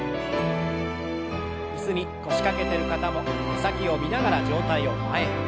椅子に腰掛けてる方も手先を見ながら上体を前に。